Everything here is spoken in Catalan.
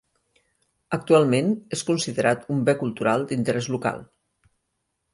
Actualment és considerat un bé cultural d'interès local.